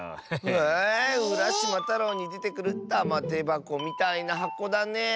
えうらしまたろうにでてくるたまてばこみたいなはこだねえ。